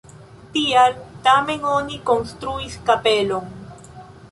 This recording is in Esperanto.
Tial tamen oni konstruis kapelon.